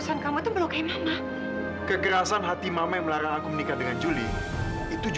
jadi mulai sekarang gak ada yang bisa menghalangi cinta aku dan julie lagi